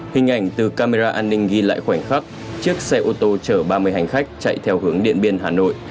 hình ảnh từ camera an ninh ghi lại khoảnh khắc chiếc xe ô tô chở ba mươi hành khách chạy theo hướng điện biên hà nội